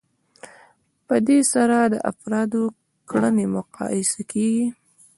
په دې سره د افرادو کړنې مقایسه کیږي.